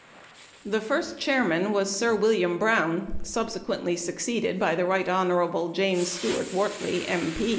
The first chairman was Sir William Brown, subsequently succeeded by the Right Hon. James Stuart Wortley, M.